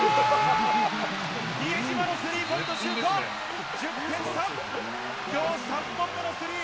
比江島のスリーポイントシュート、１０点差、きょう３本目のスリー。